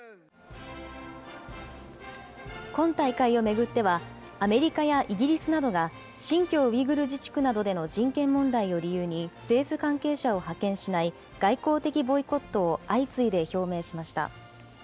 今大会を巡っては、アメリカやイギリスなどが新疆ウイグル自治区などでの人権問題を理由に、政府関係者を派遣しない、外交的ボイコットを相次いで表明しました。